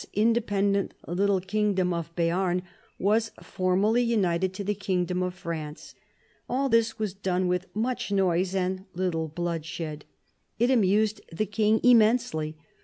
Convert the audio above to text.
's independent little kingdom of Beam was formally united to the kingdom of France. All this was done with much noise and little bloodshed. It amused the King immensely.